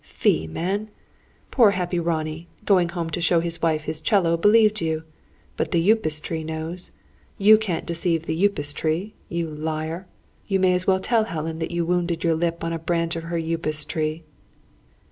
Fie, man! Poor happy Ronnie, going home to show his wife his 'cello, believed you. But the Upas tree knows! You can't deceive the Upas tree, you liar! You may as well tell Helen that you wounded your lip on a branch of her Upas tree....